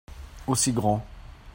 Aussi grand.